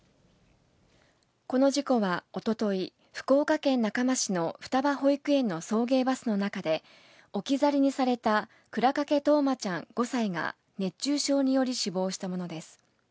この事故はおととい、福岡県中間市の双葉保育園の送迎バスの中で、置き去りにされた倉掛冬生ちゃん５歳が、熱中症により死亡したものです。